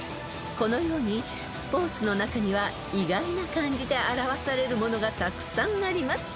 ［このようにスポーツの中には意外な漢字で表されるものがたくさんあります］